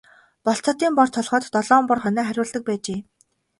Болзоотын бор толгойд долоон бор хонио хариулдаг байжээ.